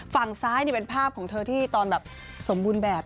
ฝั่งซ้ายเป็นภาพของเธอที่ตอนแบบสมบูรณ์แบบ